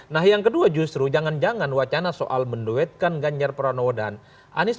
nah yang kedua justru jangan jangan wacana soal menduetkan ganjar pranowo dan anies